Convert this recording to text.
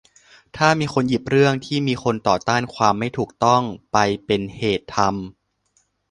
ถ้ามีคนหยิบเรื่องที่มีคนต่อต้านความไม่ถูกต้องไปเป็นเหตุทำ